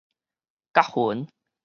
覺魂